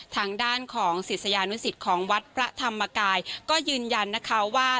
ทางด้านของศิษยานุสิตของวัดพระธรรมกายก็ยืนยันนะคะว่า